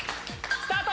スタート！